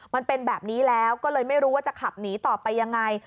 มันเป็นแบบนี้แล้วก็เลยไม่รู้ว่าจะขับหนีต่อไปยังไง